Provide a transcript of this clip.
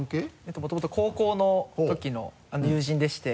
もともと高校のときの友人でして。